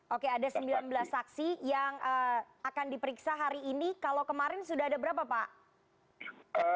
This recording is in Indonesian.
oke ada sembilan belas saksi yang akan diperiksa hari ini kalau kemarin sudah ada berapa pak